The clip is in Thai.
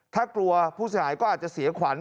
ถ้ากลัวผู้เสียหายก็อาจจะเสียขวัญ